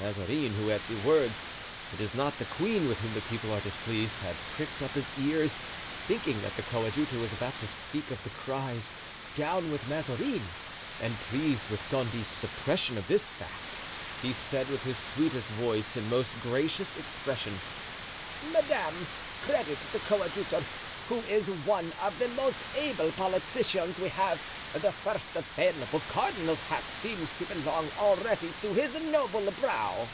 Mazarin, who at the words, "It is not the queen with whom the people are displeased," had pricked up his ears, thinking that the coadjutor was about to speak of the cries, "Down with Mazarin," and pleased with Gondy's suppression of this fact, he said with his sweetest voice and his most gracious expression: "Madame, credit the coadjutor, who is one of the most able politicians we have; the first available cardinal's hat seems to belong already to his noble brow."